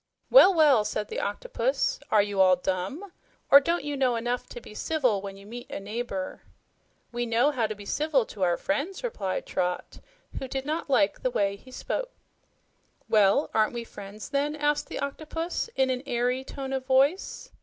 "Well, well!" said the Octopus. "Are you all dumb? Or don't you know enough to be civil when you meet a neighbor?" "We know how to be civil to our friends," replied Trot, who did not like the way he spoke. "Well, are we not friends, then?" asked the Octopus in an airy tone of voice.